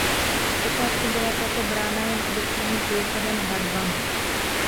Zpočátku byla tato brána jen obyčejným průchodem hradbami.